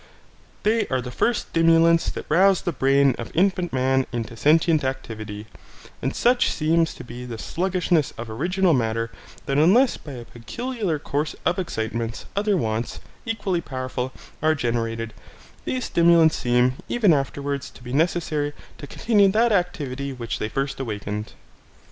They are the first stimulants that rouse the brain of infant man into sentient activity, and such seems to be the sluggishness of original matter that unless by a peculiar course of excitements other wants, equally powerful, are generated, these stimulants seem, even afterwards, to be necessary to continue that activity which they first awakened.